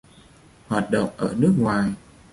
Hoạt động ở nước ngoài